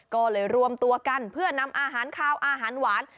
ก็เลยรวมตัวกันเพื่อนำอาหารคาวอาหารหวาน